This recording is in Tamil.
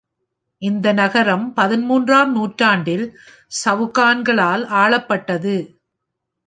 இந்த நகரம் பதின்மூன்றாம் நூற்றாண்டில் சவுகான்களால் ஆளப்பட்டது.